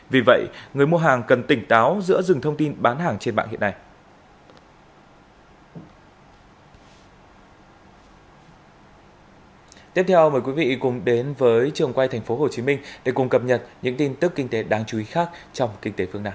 vì vậy người mua hàng cần tỉnh táo giữa dừng thông tin bán hàng trên mạng hiện nay